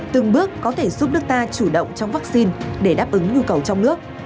từng bước có thể giúp nước ta chủ động trong vaccine để đáp ứng nhu cầu trong nước